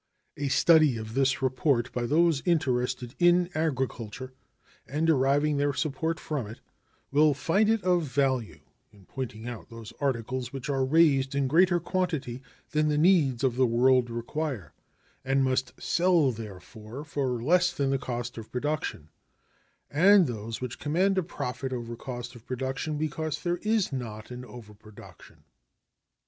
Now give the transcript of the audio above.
A study of this report by those interested in agriculture and deriving their support from it will find it of value in pointing out those articles which are raised in greater quantity than the needs of the world require, and must sell, therefore, for less than the cost of production, and those which command a profit over cost of production because there is not an overproduction.